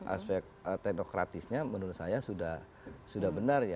aspek teknokratisnya menurut saya sudah benar ya